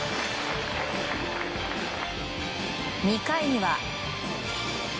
２回には。